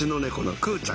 くーちゃん！